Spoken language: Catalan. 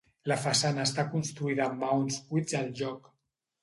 La façana està construïda amb maons cuits al lloc.